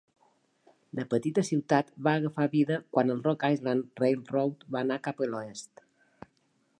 La petita ciutat va agafar vida quan el Rock Island Railroad va anar cap a l"oest.